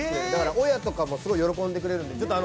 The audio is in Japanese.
だから親とかもすごく喜んでくれるんで。